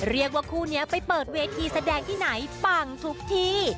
เรียกว่าคู่นี้ไปเปิดเวทีแสดงที่ไหนปังทุกที